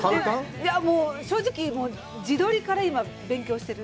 いや、もう、正直、自撮りから今、勉強してる。